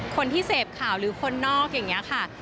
คนที่เสพข่าวหรือคนนอกอย่างนี้ค่ะ